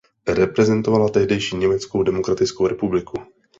Reprezentovala tehdejší německou demokratickou republiku.